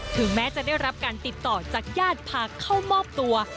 ถึงแม้จะได้รับการติดต่อจากญาติพาเข้ามอบตัว